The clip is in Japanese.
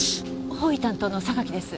法医担当の榊です。